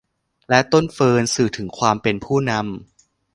และต้นเฟิร์น สื่อถึงความเป็นผู้นำ